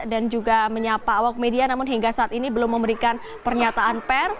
dan juga menyapa awal media namun hingga saat ini belum memberikan pernyataan pers